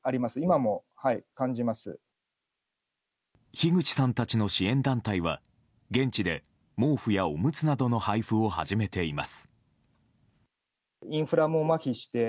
樋口さんたちの支援団体は現地で毛布やおむつなどの配布を始めています。